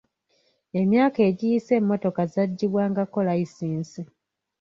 Emyaka egiyise emmotoka zaggibwangako layisinsi